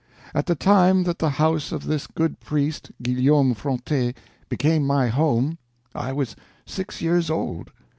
At the time that the house of this good priest, Guillaume Fronte, became my home, I was six years old.